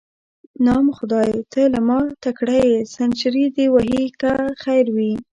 نام خدای، ته له ما تکړه یې، سنچري دې وهې که خیر وي.